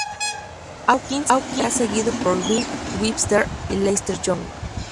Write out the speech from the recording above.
Hawkins será seguido por Ben Webster y Lester Young.